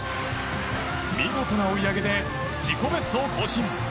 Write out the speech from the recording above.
見事な追い上げで自己ベストを更新。